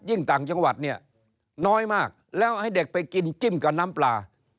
ต่างจังหวัดเนี่ยน้อยมากแล้วให้เด็กไปกินจิ้มกับน้ำปลา